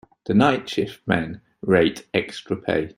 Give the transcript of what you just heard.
The night shift men rate extra pay.